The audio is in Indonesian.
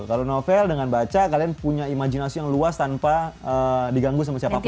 kalau novel dengan baca kalian punya imajinasi yang luas tanpa diganggu sama siapapun